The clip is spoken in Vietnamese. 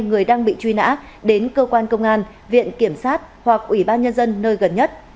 người đang bị truy nã đến cơ quan công an viện kiểm sát hoặc ủy ban nhân dân nơi gần nhất